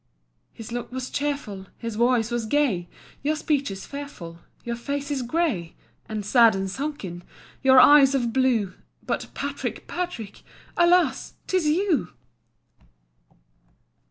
"His look was cheerful, His voice was gay; Your speech is fearful, Your face is grey; And sad and sunken Your eye of blue, But Patrick, Patrick, Alas! 'tis you!"